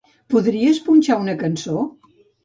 Podries punxar una cançó?